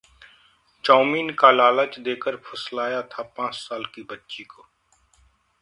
chowmein का लालच देकर फुसलाया था पांच साल की बच्ची को